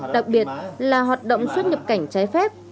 đặc biệt là hoạt động xuất nhập cảnh trái phép